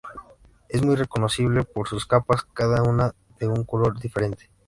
Es muy reconocible por sus capas, cada una de un color diferente.